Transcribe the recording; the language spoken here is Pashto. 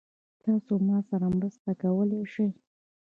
تاسو ما سره مرسته کولی شئ؟